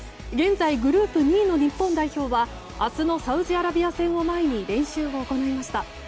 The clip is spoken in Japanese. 現在、グループ２位の日本代表は明日のサウジアラビア戦を前に練習を行いました。